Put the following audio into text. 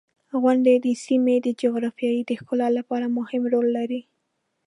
• غونډۍ د سیمې د جغرافیې د ښکلا لپاره مهم رول لري.